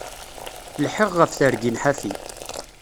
Lḥiɣ ɣef tergin ḥafi.